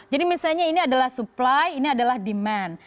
jadi misalnya ini adalah supply ini adalah demand